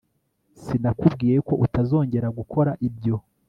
Sinakubwiye ko utazongera gukora ibyo